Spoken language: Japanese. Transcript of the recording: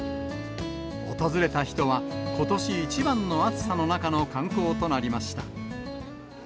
訪れた人は、ことし一番の暑さの中の観光となりました。